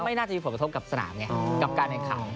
ไม่น่าจะมีผลประทบกับสนามเนี่ยกับการแอนคาร์ม